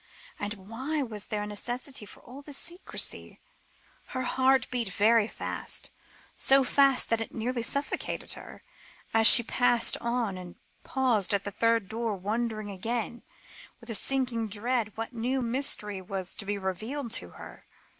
And why was there a necessity for all this secrecy? Her heart beat very fast, so fast that it nearly suffocated her, as she passed on and paused at the third door, wondering again with a sinking dread, what new mystery was to be revealed to her?